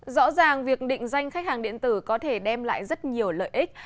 rõ ràng việc định danh khách hàng điện tử có thể đem lại rất nhiều lợi ích